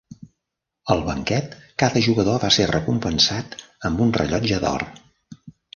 Al banquet, cada jugador va ser recompensat amb un rellotge d'or.